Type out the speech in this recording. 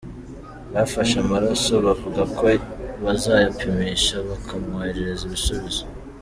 Bafashe amaraso, bavuga ko bazayapimisha, bakamwoherereza ibisubizo.